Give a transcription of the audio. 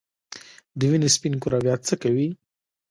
د وینې سپین کرویات څه کوي؟